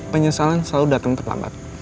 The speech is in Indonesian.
penyesalan selalu dateng terlambat